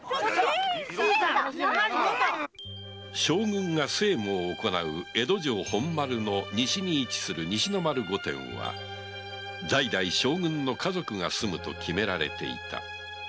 将軍が政務を行う江戸城本丸の西に位置する西の丸御殿は代々将軍の家族が住むと決められていた